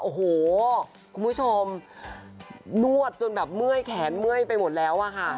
โอ้โหคุณผู้ชมนวดจนแบบเมื่อยแขนเมื่อยไปหมดแล้วอะค่ะ